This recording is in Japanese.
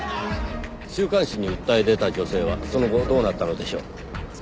週刊誌に訴え出た女性はその後どうなったのでしょう？